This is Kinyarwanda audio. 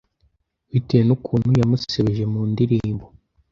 bitewe n’ukuntu yamusebeje mu ndirimbo